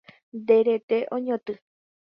Nde rete oñotỹ